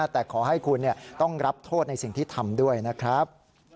แต่ขอให้คุณต้องรับโทษในสิ่งที่ทำด้วยนะครับ